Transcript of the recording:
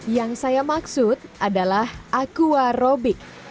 yang saya maksud adalah aqua robik